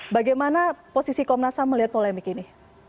bagaimana posisi komnas ham melihat polemik ini